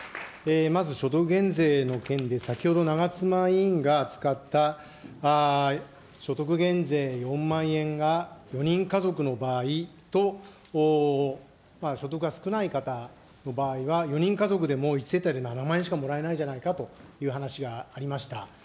まず所得減税の件で先ほど長妻委員が使った所得減税４万円が４人家族の場合と、所得が少ない方の場合は４人家族でも１世帯で７万円しかもらえないんじゃないかという話がありました。